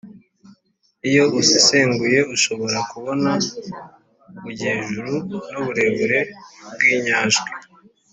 Iyo usesenguye ushobora kubona ubujyejuru n’uburebure bw’inyajwi,